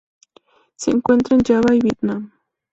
Se encuentra en Java y Vietnam.